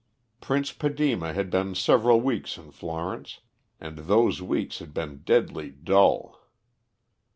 Prince Padema had been several weeks in Florence, and those weeks had been deadly dull.